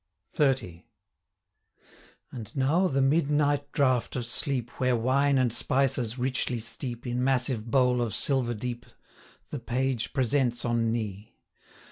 XXX. And now the midnight draught of sleep, 515 Where wine and spices richly steep, In massive bowl of silver deep, The page presents on knee.